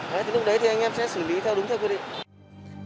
đấy từ lúc đấy thì anh em sẽ xử lý theo đúng theo quy định